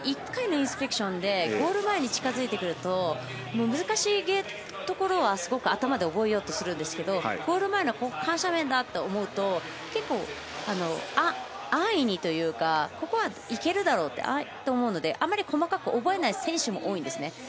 １回のインスペクションでゴール前に近づくと難しいところはすごく頭で覚えようとするんですがゴール前の緩斜面だと思うと結構、安易にというかここは行けるだろうと思うのであまり細かく覚えない選手も多いんですね。